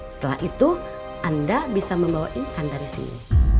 setelah itu anda bisa membawa ikan dari sini